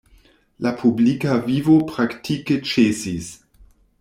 La publika vivo praktike ĉesis.